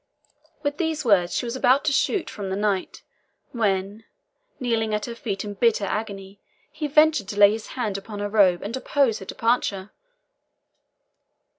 With these words she was about to shoot from the knight, when, kneeling at her feet in bitter agony, he ventured to lay his hand upon her robe and oppose her departure.